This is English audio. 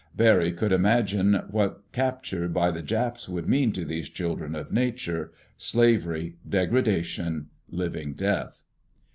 Barry could imagine what capture by the Japs would mean to these children of nature—slavery, degradation, living death!